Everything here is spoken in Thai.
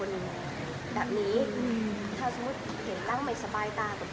แล้วไม่ชอบแพทย์น้ำปลาเลย